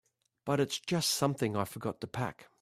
But it's just something I forgot to pack.